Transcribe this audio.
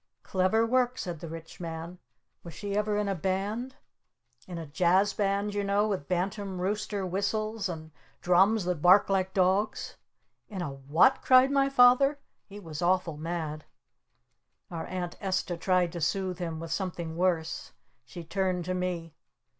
"Clever work!" said the Rich Man. "Was she ever in a Band? In a Jazz Band, you know, with Bantam Rooster whistles? And drums that bark like dogs?" "In a what?" cried my Father. He was awful mad. Our Aunt Esta tried to soothe him with something worse. She turned to me.